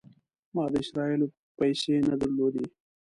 ما د اسرائیلو پیسې نه درلودې.